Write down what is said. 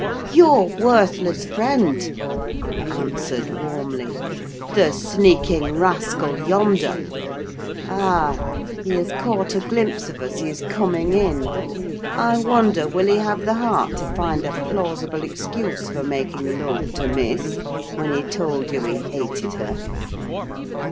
"Your worthless friend!" I answered, warmly: "the sneaking rascal yonder. Ah, he has caught a glimpse of us—he is coming in! I wonder will he have the heart to find a plausible excuse for making love to Miss, when he told you he hated her?"